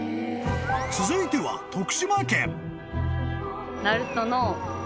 ［続いては徳島県］